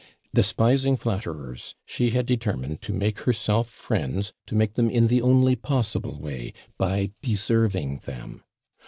Despising flatterers, she had determined to make herself friends to make them in the only possible way by deserving them.